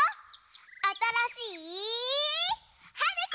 あたらしいはるき！